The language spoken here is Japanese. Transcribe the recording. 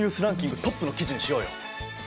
ランキングトップの記事にしようよ！